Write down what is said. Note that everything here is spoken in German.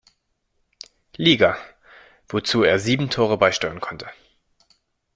Liga, wozu er sieben Tore beisteuern konnte.